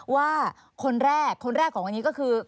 ว่าคนแรกคนแรกของวันนี้ก็คือ